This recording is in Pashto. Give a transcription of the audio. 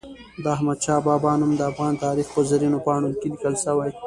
د احمد شاه بابا نوم د افغان تاریخ په زرینو پاڼو کې لیکل سوی.